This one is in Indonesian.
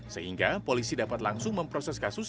sehingga polisi dapat langsung memproses kasus